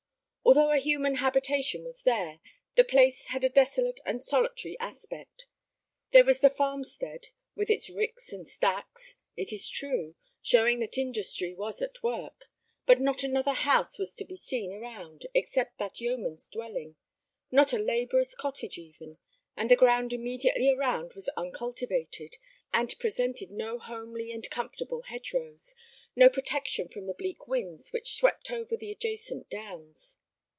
Although a human habitation was there, the place had a desolate and solitary aspect. There was the farm stead, with its ricks and stacks, it is true, showing that industry was at work; but not another house was to be seen around except that yeoman's dwelling; not a labourer's cottage even; and the ground immediately around was uncultivated, and presented no homely and comfortable hedge rows, no protection from the bleak winds which swept over the adjacent downs.